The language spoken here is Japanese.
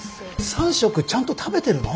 三食ちゃんと食べてるの？